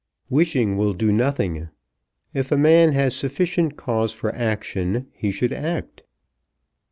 Wishing will do nothing. If a man has sufficient cause for action he should act.